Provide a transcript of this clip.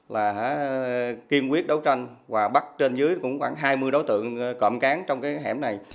là kiên quyết đấu tranh và bắt trên dưới cũng khoảng hai mươi đối tượng cộng cán trong cái hẻm này